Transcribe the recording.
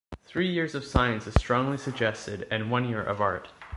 Three years of science is strongly suggested, and one year of art.